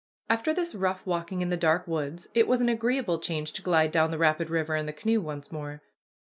After this rough walking in the dark woods it was an agreeable change to glide down the rapid river in the canoe once more.